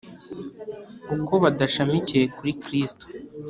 ’ kuko badashamikiye kuri kristo